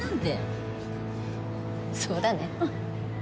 そうだね。